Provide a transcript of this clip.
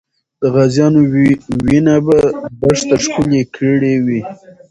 د غازیانو وینه به دښته ښکلې کړې وي.